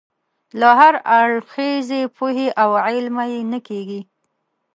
له هراړخیزې پوهې او علمه یې نه کېږي.